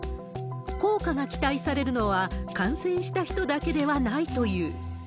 効果が期待されるのは、感染した人だけではないという。